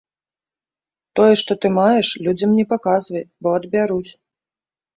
Тое, што ты маеш, людзям не паказвай, бо адбяруць.